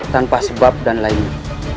tanpa sebab dan lainnya